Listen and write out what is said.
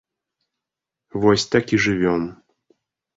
Вось так і жывём.